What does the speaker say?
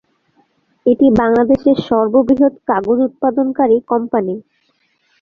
এটি বাংলাদেশের সর্ববৃহৎ কাগজ উৎপাদনকারী কোম্পানি।